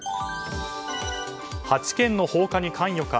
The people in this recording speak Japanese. ８件の放火に関与か。